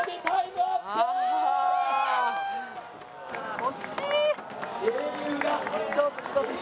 惜しい！